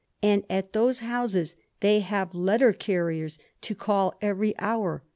And at those houses they have letter carriers to call every hour. .